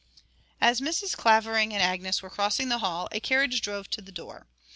As Mrs. Clavering and Agnes were crossing the hall, a carriage drove to the door.